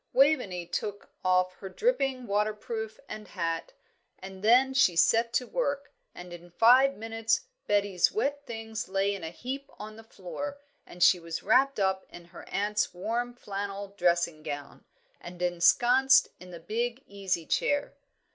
Waveney took off her dripping waterproof and hat, and then she set to work, and in five minutes Betty's wet things lay in a heap on the floor, and she was wrapped up in her aunt's warm flannel dressing gown, and ensconced in the big easy chair.